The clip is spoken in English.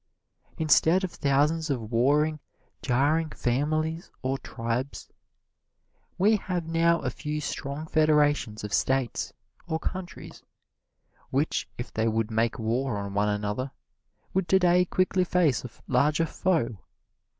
Instead of thousands of warring, jarring families or tribes, we have now a few strong federations of States, or countries, which, if they would make war on one another, would today quickly face a larger foe.